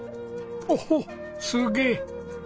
おおすげえ！